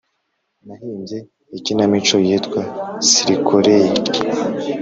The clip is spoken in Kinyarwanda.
nahimbye ikinamico yitwa “sirikoreye”,